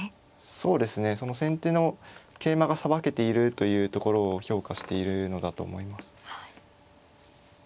そうですねその先手の桂馬がさばけているというところを評価しているのだと思います。